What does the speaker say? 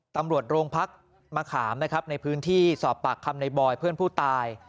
ตำรวจโรงพักมะขามนะครับในพื้นที่สอบปากคำในบอยเพื่อนผู้ตาย